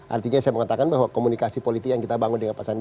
artinya saya mengatakan bahwa komunikasi politik yang kita bangun dengan pak sandi